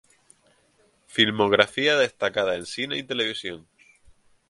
Filmografía destacada en cine y televisión.